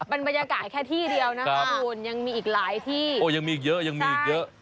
มันบรรยากาศแค่ที่เดียวนะครับยังมีอีกหลายที่โอ้ยยังมีอีกเยอะ